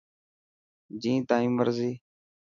جين تائن مرضي.